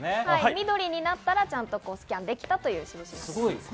緑になったら、スキャンできたということです。